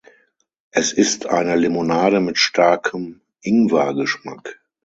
Es ist eine Limonade mit starkem Ingwer-Geschmack.